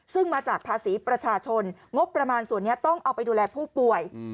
ซึ่งมาจากภาษีประชาชนงบประมาณส่วนนี้ต้องเอาไปดูแลผู้ป่วย